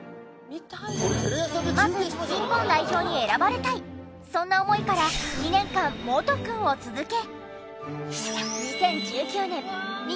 まず日本代表に選ばれたいそんな思いから２年間猛特訓を続け。